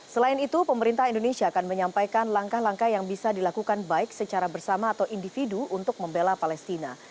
selain itu pemerintah indonesia akan menyampaikan langkah langkah yang bisa dilakukan baik secara bersama atau individu untuk membela palestina